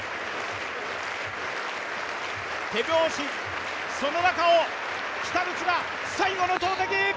手拍子、その中を北口が最後の投てき！